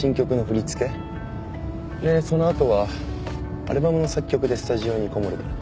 でその後はアルバムの作曲でスタジオにこもるから。